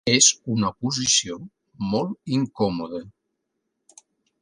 És una posició molt incòmoda.